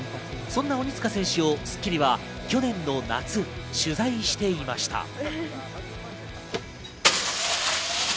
そんな鬼塚選手を『スッキリ』は去年の夏、取材していました。